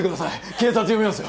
警察呼びますよ！